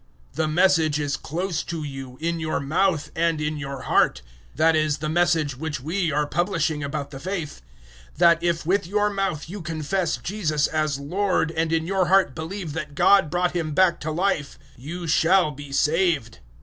"The Message is close to you, in your mouth and in your heart;" that is, the Message which we are publishing about the faith 010:009 that if with your mouth you confess Jesus as Lord and in your heart believe that God brought Him back to life, you shall be saved.